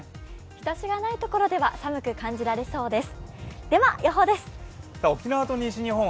日ざしがない所では寒く感じられそうです。